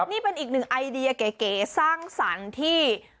นี่เป็นอีกหนึ่งไอเดียเก๋สร้างสรรค์ที่